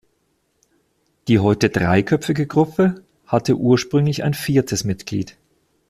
Die heute dreiköpfige Gruppe hatte ursprünglich ein viertes Mitglied.